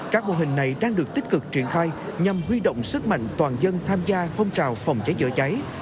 các mô hình này đang được tích cực triển khai nhằm huy động sức mạnh toàn dân tham gia phong trào phòng cháy chữa cháy